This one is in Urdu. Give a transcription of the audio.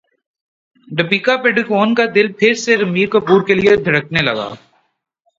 دپیکا پڈوکون کا دل پھر سے رنبیر کپور کے لیے دھڑکنے لگا